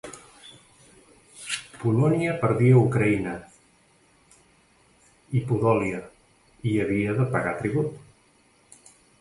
Polònia perdia Ucraïna i Podòlia i havia de pagar tribut.